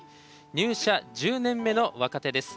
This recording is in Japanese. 入社１０年目の若手です。